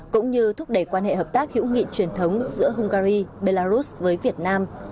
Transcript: cũng như thúc đẩy quan hệ hợp tác hữu nghị truyền thống giữa hungary belarus với việt nam